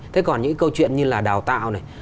thế còn những câu chuyện như là đào tạo này